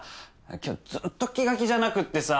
今日ずっと気が気じゃなくってさ。